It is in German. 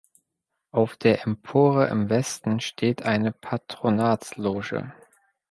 Auf der Empore im Westen steht eine Patronatsloge.